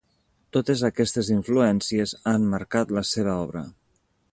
Totes aquestes influències han marcat la seva obra.